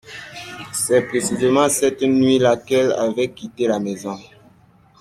C’est précisément cette nuit-là qu’elle avait quitté la maison.